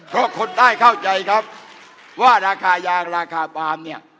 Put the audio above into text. เพราะคนใต้เข้าใจครับว่าราคายางราคาปาล์มเนี่ย